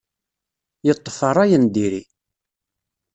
Yeṭṭef rray n diri.